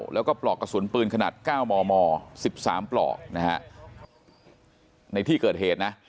แล้วก็ปลอกกระสุนปืนขนาดเก้าหมอหมอสิบสามปลอกนะฮะในที่เกิดเหตุนะ